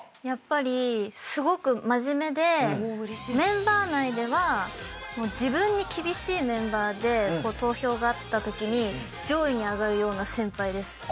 やっぱりすごく真面目でメンバー内では自分に厳しいメンバーで投票があったときに上位にあがるような先輩です。